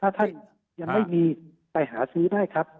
ถ้าท่านยังไม่มีไปหาซื้อได้ครับ